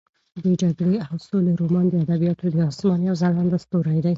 د جګړې او سولې رومان د ادبیاتو د اسمان یو ځلانده ستوری دی.